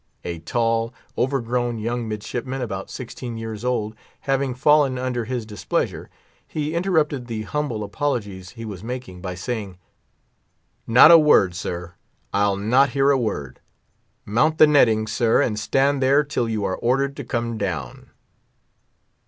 A tall, overgrown young midshipman, about sixteen years old, having fallen under his displeasure, he interrupted the humble apologies he was making, by saying, "Not a word, sir! I'll not hear a word! Mount the netting, sir, and stand there till you are ordered to come down!"